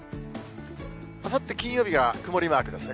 あさって金曜日は曇りマークですね。